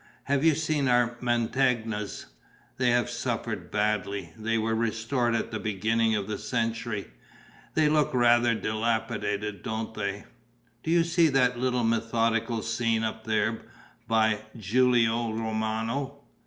Have you seen our Mantegnas? They have suffered badly. They were restored at the beginning of the century. They look rather dilapidated, don't they? Do you see that little mythological scene up there, by Giulio Romano?